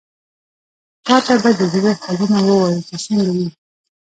چا ته به د زړه حالونه ووايو، چې څنګه يو؟!